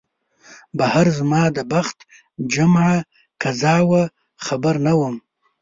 بهر زما د بخت جمعه قضا وه خبر نه وم